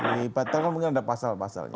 ini batal kan mungkin ada pasal pasalnya